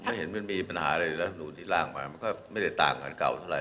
เลยครับผมเห็นมันมีปัญหาเลยแล้วดูทำล่างมาก็ไม่ได้ต่างกันเก่าเท่าไหร่